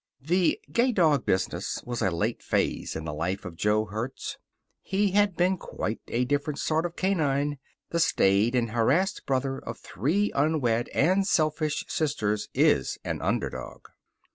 The gay dog business was a late phase in the life of Jo Hertz. He had been a quite different sort of canine. The staid and harassed brother of three unwed and selfish sisters is an underdog.